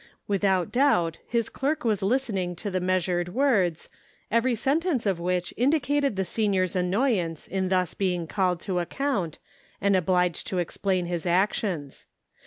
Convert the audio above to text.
Without doubt his clerk was listening to the measured words, every sentence of which indicated the senior's annoyance m thus being called to account, and obliged to explain his 339 340 The Pocket Measure. actions.